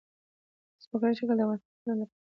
ځمکنی شکل د افغانستان د صنعت لپاره ګټور مواد برابروي.